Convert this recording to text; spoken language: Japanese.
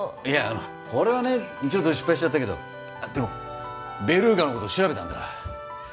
いやあのこれはねちょっと失敗しちゃったけどでもベルーガのこと調べたんだ